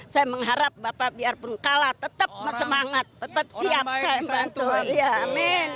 saya mengharap bapak biarpun kalah tetap semangat tetap siap